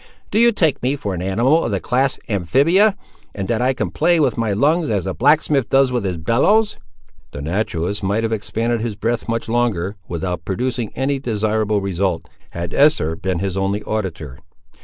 Do you take me for an animal of the class amphibia, and that I can play with my lungs as a blacksmith does with his bellows?" The naturalist might have expended his breath much longer, without producing any desirable result, had Esther been his only auditor.